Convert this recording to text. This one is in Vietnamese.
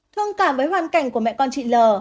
thương cảm với hoàn cảnh của mẹ con chị l